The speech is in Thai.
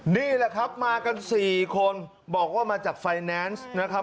นี่แหละครับมากัน๔คนบอกว่ามาจากไฟแนนซ์นะครับ